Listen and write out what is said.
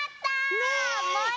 ねえ。